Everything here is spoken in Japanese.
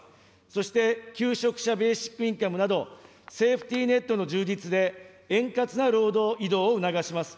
そして、求職者ベーシックインカムなど、セーフティーネットの充実で、円滑な労働移動を促します。